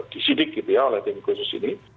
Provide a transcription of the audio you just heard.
disidik gitu ya oleh tim khusus ini